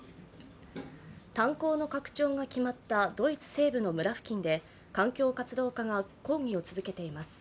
炭鉱の拡張が決まったドイツ西部の村付近で、環境活動家が抗議を続けています。